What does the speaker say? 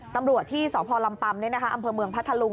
ตำรวจที่สพลำปัมอำเภอเมืองพัทธลุง